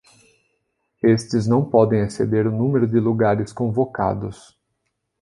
Estes não podem exceder o número de lugares convocados.